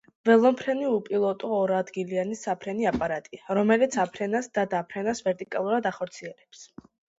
ველომფრენი უპილოტო ორადგილიანი საფრენი აპარატია, რომელიც აფრენას და დაფრენას ვერტიკალურად ახორციელებს.